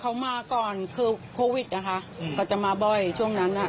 เขามาก่อนคือโควิดนะคะเขาจะมาบ่อยช่วงนั้นอ่ะ